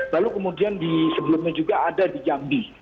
lalu kemudian di sebelumnya juga ada di jambi